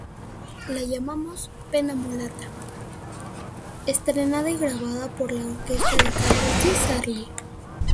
La llamamos "Pena mulata", estrenada y grabada por la orquesta de Carlos Di Sarli.